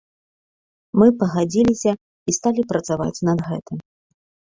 Мы пагадзіліся і сталі працаваць над гэтым.